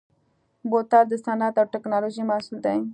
بوتل د صنعت او تکنالوژۍ محصول دی.